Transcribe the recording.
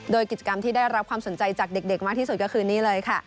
โดยกิจกรรมที่ได้รับความสนใจจากเด็กมากที่สุดก็คือนี่เลยค่ะ